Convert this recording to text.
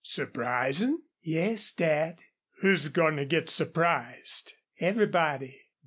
"Surprisin'?" "Yes, Dad." "Who's goin' to get surprised?" "Everybody."